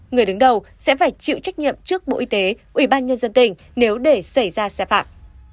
người đứng đầu sẽ phải chịu trách nhiệm trước bộ y tế ủy ban nhân dân tỉnh nếu để xảy ra sai phạm